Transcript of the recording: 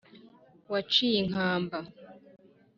waciye inkamba.